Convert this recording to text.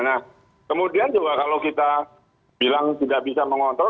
nah kemudian juga kalau kita bilang tidak bisa mengontrol